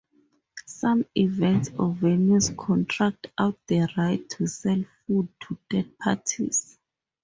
Some events or venues contract out the right to sell food to third parties.